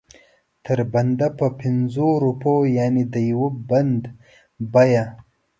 تر بنده په پنځو روپو یعنې د یو بند بیه.